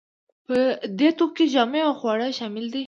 په دې توکو کې جامې او خواړه شامل دي.